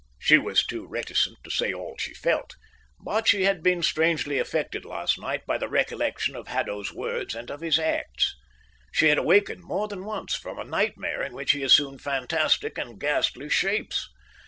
She was too reticent to say all she felt, but she had been strangely affected last night by the recollection of Haddo's words and of his acts. She had awakened more than once from a nightmare in which he assumed fantastic and ghastly shapes.